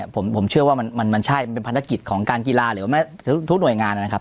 ผมเชื่อว่ามันใช่เป็นภารกิจของการกีฬาหรือว่าทุกหน่วยงานนะครับ